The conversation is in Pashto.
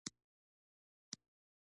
دا د پایداره ازادۍ لاره ده.